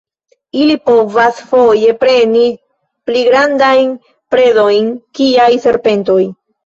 Ili povas foje preni pli grandajn predojn kiaj serpentoj.